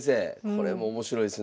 これも面白いですね。